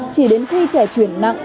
chỉ đến khi trẻ chuyển nặng